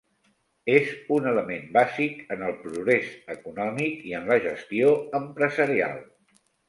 És un element bàsic en el progrés econòmic i en la gestió empresarial.